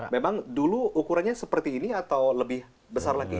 memang dulu ukurannya seperti ini atau lebih besar lagi